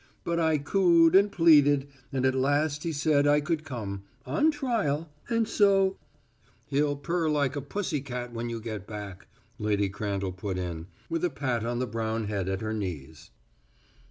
But I cooed and pleaded, and at last he said I could come on trial, and so " "He'll purr like a pussy cat when you get back," Lady Crandall put in, with a pat on the brown head at her knees.